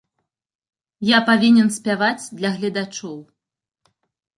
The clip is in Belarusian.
Я павінен спяваць для гледачоў.